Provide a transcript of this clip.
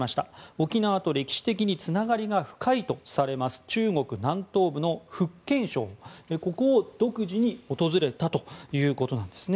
沖縄と歴史的につながりが深いとされる中国南東部の福建省を独自に訪れたということなんです。